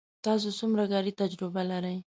تاسو څومره کاري تجربه لرئ